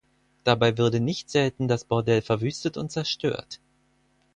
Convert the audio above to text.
Dabei würde nicht selten das Bordell verwüstet und zerstört.